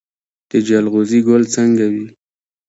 د جلغوزي ګل څنګه وي؟